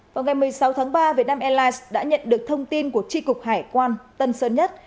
vào ngày một mươi sáu tháng ba vietnam airlines đã nhận được thông tin của tri cục hải quan tân sơn nhất